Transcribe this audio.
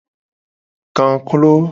Kaklo.